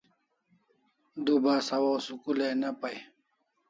Du bas hawaw school ai ne pai